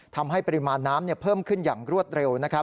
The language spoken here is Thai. ทำให้ปริมาณน้ำเพิ่มขึ้นอย่างรวดเร็วนะครับ